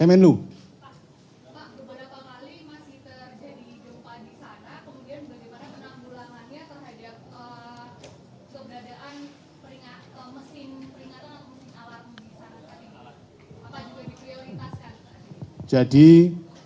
bagaimana penambulanannya terhadap